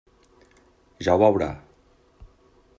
Ja ho veurà.